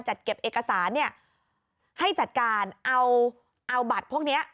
เก็บเอกสารเนี่ยให้จัดการเอาเอาบัตรพวกนี้